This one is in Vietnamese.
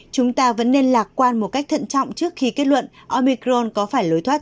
chúng ta vẫn nên lạc quan một cách thận trọng trước khi kết luận omicron có phải lối thoát